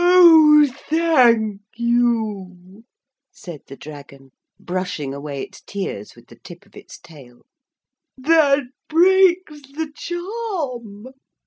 'Oh, thank you,' said the dragon, brushing away its tears with the tip of its tail. 'That breaks the charm.